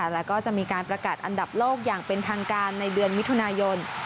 แล้วก็จะมีการประกาศอันดับโลกอย่างเป็นทางการในเดือนมิถุนายน